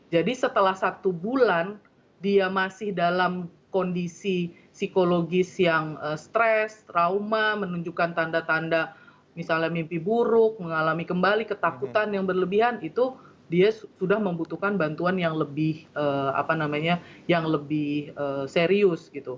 jadi setelah satu bulan dia masih dalam kondisi psikologis yang stress trauma menunjukkan tanda tanda misalnya mimpi buruk mengalami kembali ketakutan yang berlebihan itu dia sudah membutuhkan bantuan yang lebih serius